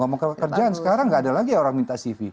ngomong pekerjaan sekarang gak ada lagi orang minta cv